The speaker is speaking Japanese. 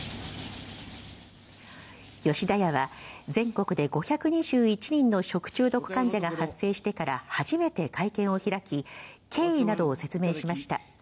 吉田屋は、全国で５２１人の食中毒患者が発生してから初めて会見を開き、経緯などを説明しました。